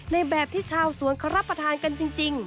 ในแบบที่ชาวสวนเขารับประทานกันจริง